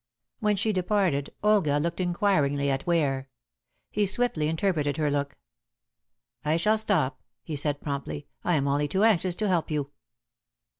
When she departed Olga looked inquiringly at Ware. He swiftly interpreted her look. "I shall stop," he said promptly. "I am only too anxious to help you."